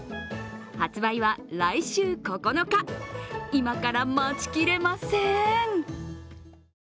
発売は来週９日今から待ちきれません。